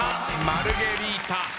マルゲリータ